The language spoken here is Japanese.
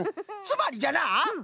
つまりじゃなあ